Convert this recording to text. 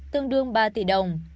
tương đương ba tỷ đồng